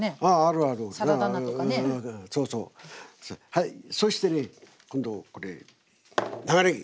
はいそしてね今度これ長ねぎ。